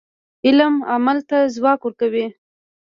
علم عمل ته ځواک ورکوي.